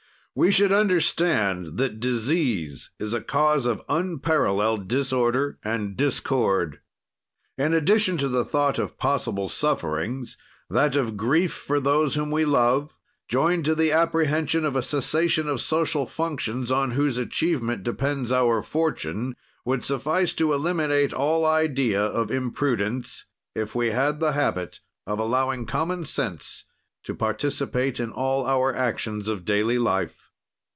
"We should understand that disease is a cause of unparalleled disorder and discord. "In addition to the thought of possible sufferings, that of grief for those whom we love, joined to the apprehension of a cessation of social functions, on whose achievement depends our fortune, would suffice to eliminate all idea of imprudence, if we had the habit of allowing common sense to participate in all our actions of daily life.